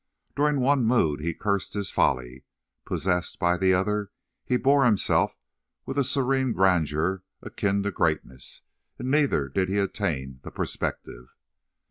During one mood he cursed his folly; possessed by the other, he bore himself with a serene grandeur akin to greatness: in neither did he attain the perspective.